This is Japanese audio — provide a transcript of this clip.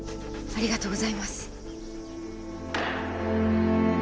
ありがとうございます